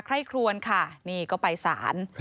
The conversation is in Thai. ไข้ครวนค่ะนี่ก็ไปสาร